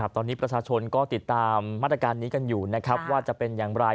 ตอนนี้ประชาชนก็ติดตามมาตรการนี้กันอยู่นะครับว่าจะเป็นอย่างไร